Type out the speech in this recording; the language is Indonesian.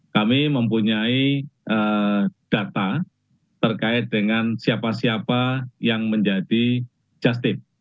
kami mempunyai data terkait dengan siapa siapa yang menjadi justip